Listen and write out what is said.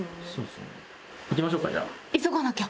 行きましょうかじゃあ。